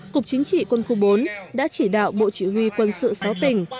cục chính trị quân khu bốn đã chỉ đạo bộ chỉ huy quân sự sáu tỉnh